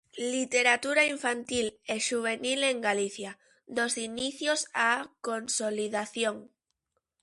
"Literatura infantil e xuvenil en Galicia: dos inicios á consolidación".